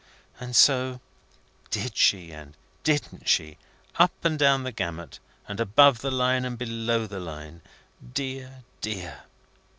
And so, Did she and Didn't she, up and down the gamut, and above the line and below the line, dear, dear!